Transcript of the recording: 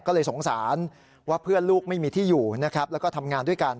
ก็เลยสงสารว่าเพื่อนลูกไม่มีที่อยู่นะครับแล้วก็ทำงานด้วยกัน